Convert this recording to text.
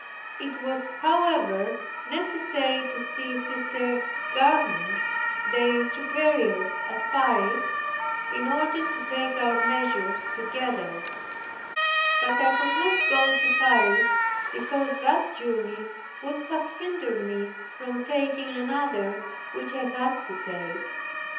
It was, however, necessary to see Sister Garnier, their superior at Paris, in order to take our measures together. But I could not go to Paris, because that journey would have hindered me from taking another, which I had to take.